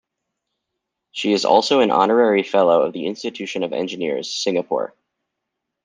She is also an Honorary Fellow of the Institution of Engineers, Singapore.